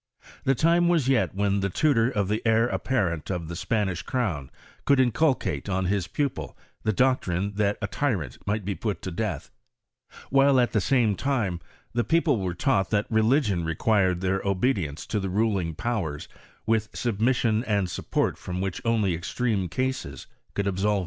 The time was yet when the tutor of the heir apparent of the Spanish crown c6uld inculcate on his pupil the doctrine that a tyrant might be put to death ; while, at the same time, the people were taught that religion required their obedience to the ruling powei 8, with submission and support from which gnly extreme oases could absolve them.